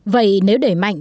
vậy nếu để mạnh